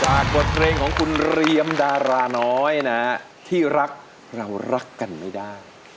บทเพลงของคุณเรียมดาราน้อยนะที่รักเรารักกันไม่ได้